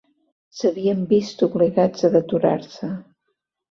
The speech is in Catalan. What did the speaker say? S'havien vist obligats a deturar-se